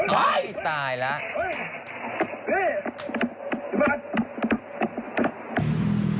โอ๊ยตายแล้ว